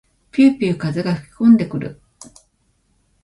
ぴゅうぴゅう風が吹きこんでくる。